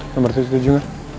nomor tujuh puluh tujuh kan